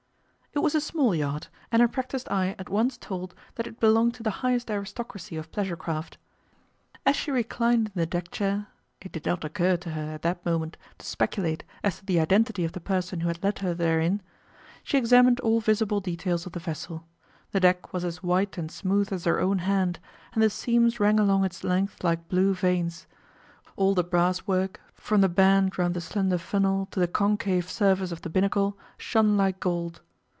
It was a small yacht, and her practised eye at once told that it belonged to the highest aristocracy of pleasure craft. As she reclined in the deck chair (it did not occur to her at that moment to speculate as to the identity of the person who had led her therein) she examined all visible details of the vessel. The deck was as white and smooth as her own hand, and the seams ran along its length like blue veins. All the brass work, from the band round the slender funnel to the concave surface of the binnacle, shone like gold.